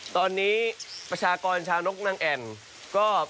ตอนนี้ประชากรชานกมาก